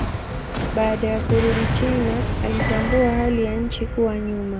Baada ya kurudi China alitambua hali ya nchi kuwa nyuma.